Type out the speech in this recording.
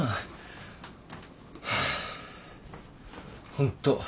本当